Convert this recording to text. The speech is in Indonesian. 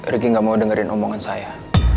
riki nggak mau dengerin omongan saya